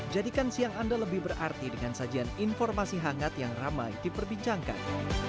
jadikan siang anda lebih berarti dengan sajian informasi hangat yang ramai diperbincangkan